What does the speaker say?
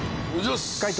解答